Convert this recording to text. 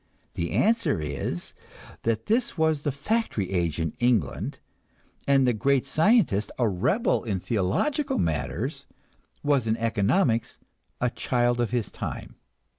The answer is that this was the factory age in England, and the great scientist, a rebel in theological matters, was in economics a child of his time.